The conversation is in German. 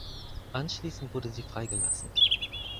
Anschließend wurde sie freigelassen.